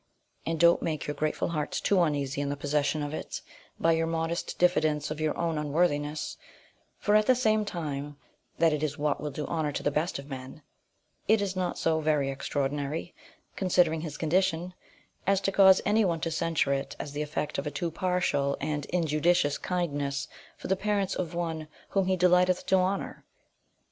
And don't make your grateful hearts too uneasy in the possession of it, by your modest diffidence of your own unworthiness: for, at the same time, that it is what will do honour to the best of men, it is not so very extraordinary, considering his condition, as to cause any one to censure it as the effect of a too partial and injudicious kindness for the parents of one whom he delighteth to honour.